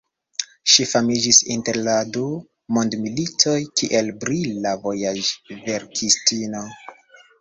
Ŝi famiĝis inter la du mondmilitoj kiel brila vojaĝverkistino.